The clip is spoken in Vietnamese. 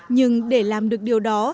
nhưng để làm được điều đó